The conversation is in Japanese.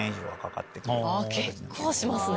結構しますね。